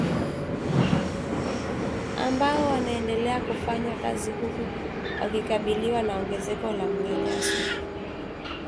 ambao wanaendelea kufanya kazi huku wakikabiliwa na ongezeko la manyanyaso